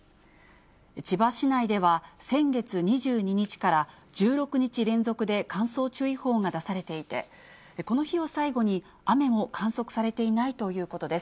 千葉市内では、先月２２日から１６日連続で乾燥注意報が出されていて、この日を最後に、雨も観測されていないということです。